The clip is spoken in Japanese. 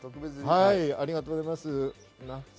ありがとうございます。